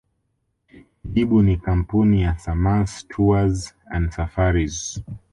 Jibu ni Kampuni ya Samâs Tours and Safaris